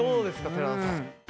寺田さん。